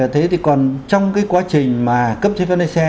thế thì còn trong cái quá trình mà cấp chế phép nền xe